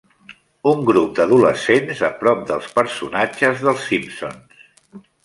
Un grup d'adolescents a prop dels personatges dels Simpsons.